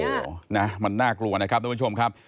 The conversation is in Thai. โอ้โหนะมันน่ากลัวนะครับทุกผู้ชมครับ